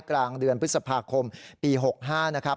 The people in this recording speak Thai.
กลางเดือนพฤษภาคมปี๖๕นะครับ